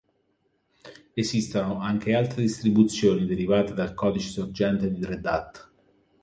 Esistono anche altre distribuzioni derivate dal codice sorgente di Red Hat.